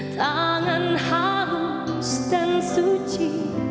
tangan halus dan suci